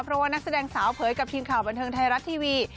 เพราะว่านักแสดงสาวเผยกับทีมข่าวบันเทิงไทยรัฐทีวี